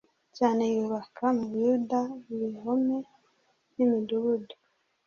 cyane yubaka mu buyuda ibihome n imidugudu